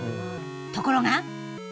ところが！